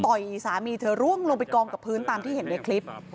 สามีเธอร่วงลงไปกองกับพื้นตามที่เห็นในคลิป